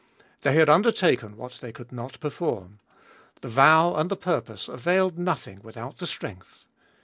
They had undertaken what they could not perform ; the vow and the purpose availed nothing without the strength.